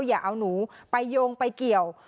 อย่าเอาหนูไปโยงไปเกี่ยว